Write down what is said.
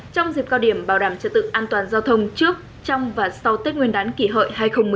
trong dịp cao điểm bảo đảm trật tự an toàn giao thông trước trong và sau tết nguyên đán kỷ hợi hai nghìn một mươi chín